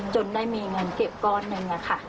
จนได้มีเงินเก็บก้อนหนึ่งค่ะ